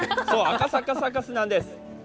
そう、赤坂サカスなんです。